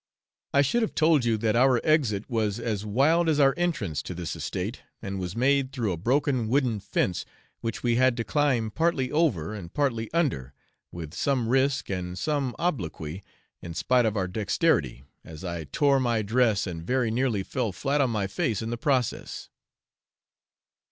I should have told you that our exit was as wild as our entrance to this estate and was made through a broken wooden fence, which we had to climb partly over and partly under, with some risk and some obloquy, in spite of our dexterity, as I tore my dress, and very nearly fell flat on my face in the process.